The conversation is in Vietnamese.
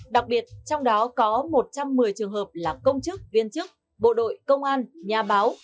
đặc biệt trong đó có một trăm một mươi trường hợp là công chức viên chức bộ đội công an nhà báo